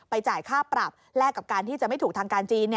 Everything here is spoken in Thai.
จ่ายค่าปรับแลกกับการที่จะไม่ถูกทางการจีน